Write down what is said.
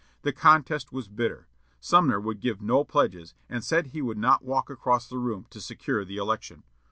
The contest was bitter. Sumner would give no pledges, and said he would not walk across the room to secure the election.